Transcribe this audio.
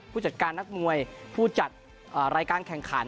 ผู้จัดการนักมวยผู้จัดรายการแข่งขัน